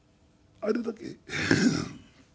それだけ？